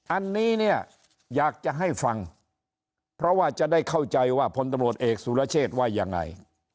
อันนี้เนี่ยอยากจะให้ฟังเพราะว่าจะได้เข้าใจว่าพลตำรวจเอกสุรเชษว่ายังไง